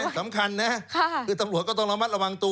ชื่อไหมสำคัญนะคือตังรวชก็ต้องระมัดระวังตัว